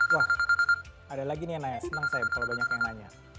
wah ada lagi nih yang nanya senang saya kalau banyak yang nanya